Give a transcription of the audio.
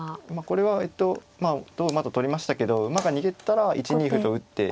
これはえと同馬と取りましたけど馬が逃げたら１二歩と打って。